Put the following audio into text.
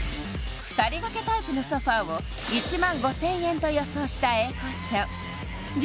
２人掛けタイプのソファーを１万５０００円と予想した英孝ちゃん